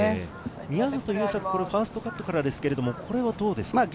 宮里優作、これはファーストカットからですが、これはどうですか？